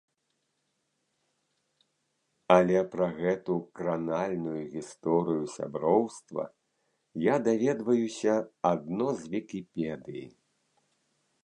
Але пра гэту кранальную гісторыю сяброўства я даведваюся адно з вікіпедыі.